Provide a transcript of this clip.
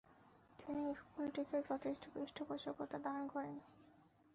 তিনি স্কুলটিকে যথেষ্ট পৃষ্ঠপোষকতা দান করেন।